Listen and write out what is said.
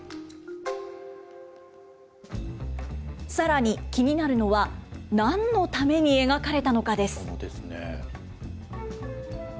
さらに気になるのは、なんのために描かれたのかです。